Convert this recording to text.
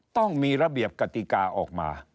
ต้องมีระเบียบกติกาออกมา